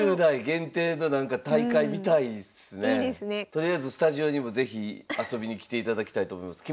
とりあえずスタジオにも是非遊びに来ていただきたいと思います。